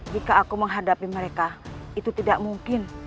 jika aku menghadapi mereka itu tidak mungkin